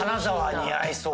似合いそう。